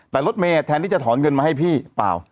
แต่รถเมย์แทนที่จะถอนเงินมาให้พี่เปล่า